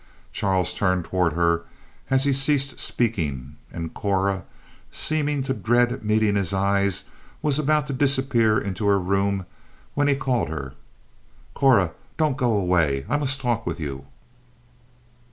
Charles turned toward her as he ceased speaking, and Cora, seeming to dread meeting his eyes, was about to disappear into her room, when he called her: "Cora, don't go away. I must talk with you."